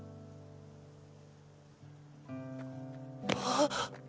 あっ！